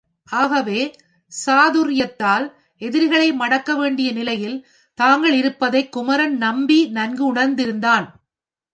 ஆகவே சாதுர்யத்தால் எதிரிகளை மடக்க வேண்டிய நிலையில் தாங்கள் இருப்பதை குமரன் நம்பி நன்கு உணர்ந்திருந்தான்.